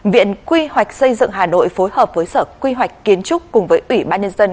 viện quy hoạch xây dựng hà nội phối hợp với sở quy hoạch kiến trúc cùng với ủy ban nhân dân